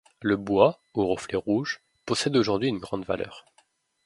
Le bois, aux reflets rouges, possède aujourd'hui une grande valeur.